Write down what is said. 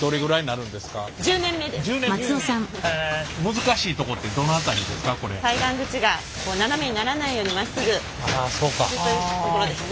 難しいとこってどの辺りですか？